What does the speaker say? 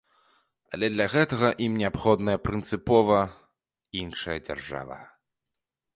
Але для гэтага ім неабходная прынцыпова іншая дзяржава.